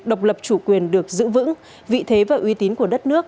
độc lập chủ quyền được giữ vững vị thế và uy tín của đất nước